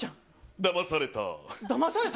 だまされた？